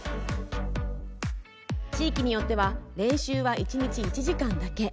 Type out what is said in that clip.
地域によっては練習は一日１時間だけ。